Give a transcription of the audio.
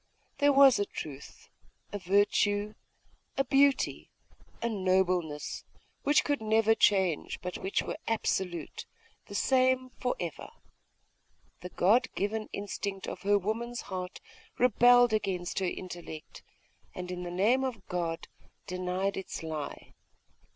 There was a truth, a virtue, a beauty, a nobleness, which could never change, but which were absolute, the same for ever. The God given instinct of her woman's heart rebelled against her intellect, and, in the name of God, denied its lie....